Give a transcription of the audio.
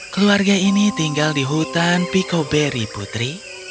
keluarga ini tinggal di hutan picco berry putri